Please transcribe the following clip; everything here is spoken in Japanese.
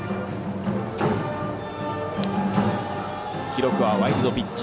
記録はワイルドピッチ。